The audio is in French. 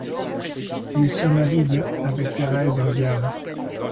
Il se marie le avec Thérèse Revial.